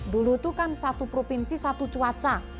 dulu itu kan satu provinsi satu cuaca